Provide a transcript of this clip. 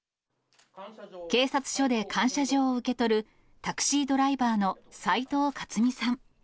警察署で感謝状を受け取る、タクシードライバーの斎藤克巳さん。